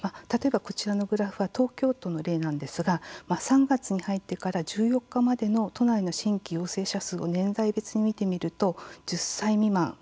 例えば、こちらのグラフは東京都の例なんですが３月に入ってから１４日までの都内の新規陽性者数を年代別に見てみると「１０歳未満」